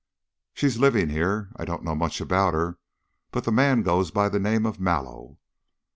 "She's living here. I don't know much about her, but the man goes by the name of Mallow."